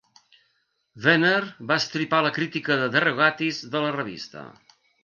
Wenner va estripar la crítica de DeRogatis de la revista.